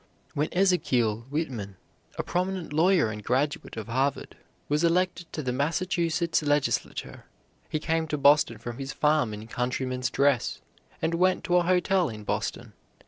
When Ezekiel Whitman, a prominent lawyer and graduate of Harvard, was elected to the Massachusetts legislature, he came to Boston from his farm in countryman's dress, and went to a hotel in Boston.